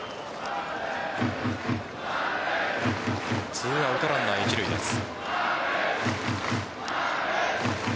２アウトランナー一塁です。